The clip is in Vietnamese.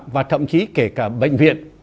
và thậm chí kể cả bệnh viện